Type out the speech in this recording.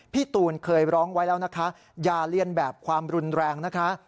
พี่ตูนเคยร้องไว้แล้วนะคะอย่าเรียนแบบความรุนแรงนะคะ